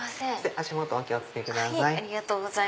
足元お気を付けください。